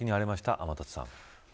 天達さん。